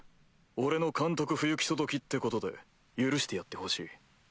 俺の監督不行き届きってことで許してやってほしい。